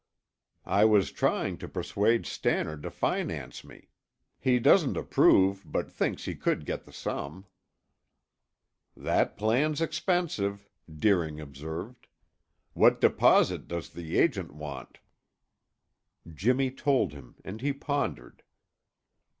"I was trying to persuade Stannard to finance me. He doesn't approve, but thinks he could get the sum." "That plan's expensive," Deering observed. "What deposit does the agent want?" Jimmy told him and he pondered.